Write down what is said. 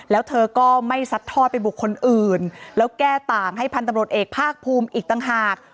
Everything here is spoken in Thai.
แล้วเธอก็ไม่ซัดทอดไปบุคคลอื่นแล้วแก้ต่างให้พันธบรวจเอกภาคภูมิอีกต่างหาก